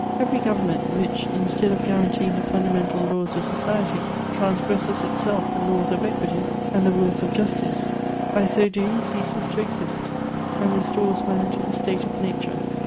Every government which, instead of guaranteeing the fundamental laws of society, transgresses itself the laws of equity, and the rules of justice, by so doing ceases to exist, and restores man to the state of nature.